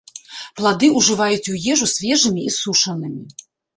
Плады ўжываюць у ежу свежымі і сушанымі.